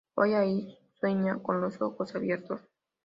Hoy Anahí sueña con los ojos abiertos.